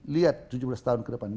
lihat tujuh belas tahun ke depan ini